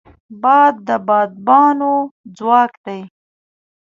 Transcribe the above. باد د بادبانو ځواک دی